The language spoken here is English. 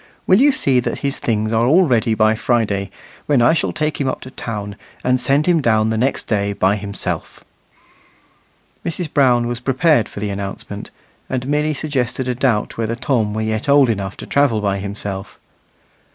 Will you see that his things are all ready by Friday, when I shall take him up to town, and send him down the next day by himself." Mrs. Brown was prepared for the announcement, and merely suggested a doubt whether Tom were yet old enough to travel by himself.